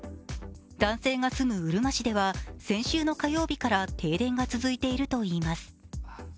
男性が住むうるま市では先週の火曜日から停電が続いているといいます。